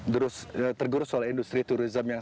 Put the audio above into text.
terus tergurus oleh industri turisme yang